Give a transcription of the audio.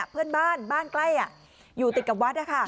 เพื่อนบ้านบ้านใกล้อยู่ติดกับวัด